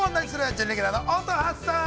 準レギュラーの乙葉さん。